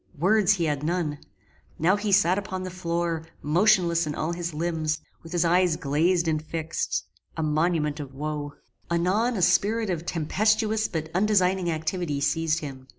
Words he had none. Now he sat upon the floor, motionless in all his limbs, with his eyes glazed and fixed; a monument of woe. Anon a spirit of tempestuous but undesigning activity seized him.